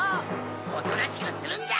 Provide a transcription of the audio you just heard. おとなしくするんだ！